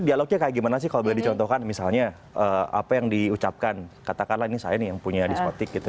dialognya kayak gimana sih kalau boleh dicontohkan misalnya apa yang diucapkan katakanlah ini saya nih yang punya diskotik gitu